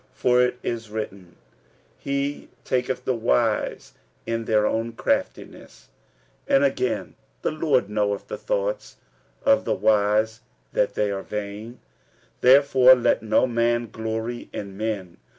For it is written, He taketh the wise in their own craftiness. 46:003:020 And again, The Lord knoweth the thoughts of the wise, that they are vain. 46:003:021 Therefore let no man glory in men.